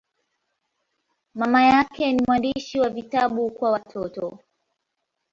Mama yake ni mwandishi wa vitabu kwa watoto.